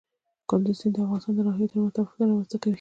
کندز سیند د افغانستان د ناحیو ترمنځ تفاوتونه رامنځ ته کوي.